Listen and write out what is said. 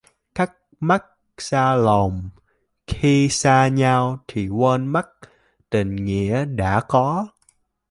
Cách mặt xa lòng: khi xa nhau thì quên mất tình nghĩa đã có.